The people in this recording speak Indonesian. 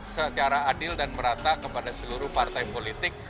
secara adil dan merata kepada seluruh partai politik